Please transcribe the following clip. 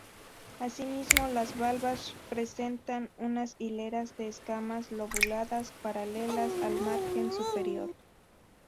Asimismo, las valvas presentan unas hileras de escamas lobuladas, paralelas al margen superior.